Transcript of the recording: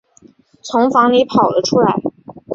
从房里跑了出来